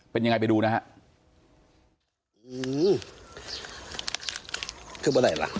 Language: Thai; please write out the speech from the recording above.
เป็นยังไงไปดูนะฮะ